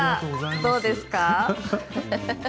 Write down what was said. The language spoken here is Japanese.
どうですか？